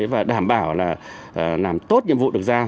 và đảm bảo là làm tốt nhiệm vụ được giao